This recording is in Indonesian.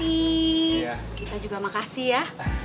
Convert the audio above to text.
kita juga makasih ya